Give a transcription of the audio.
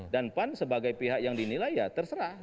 dan pan sebagai pihak yang dinilai ya terserah